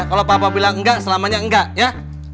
kalau papa bilang enggak selamanya enggak ya